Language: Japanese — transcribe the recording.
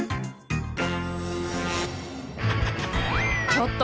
ちょっと！